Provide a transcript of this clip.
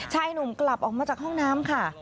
ชายหนุ่มกลับออกมาจากห้องน้ำค่ะ